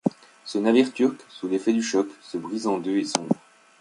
Ce navire turc, sous l’effet du choc, se brise en deux et sombre.